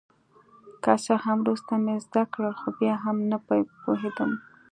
که څه هم وروسته مې زده کړل خو بیا هم نه په پوهېدم.